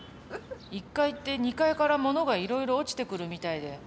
１階って２階からものがいろいろ落ちてくるみたいで。